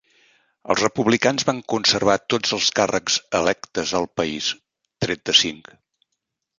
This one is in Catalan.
Els Republicans van conservar tots els càrrecs electes al país, tret de cinc.